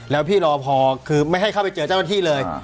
แล้วพี่รอพอคือไม่ให้เข้าไปเจอเจ้าหน้าที่เลย